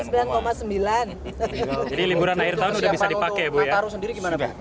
jadi liburan akhir tahun sudah bisa dipakai ya bu ya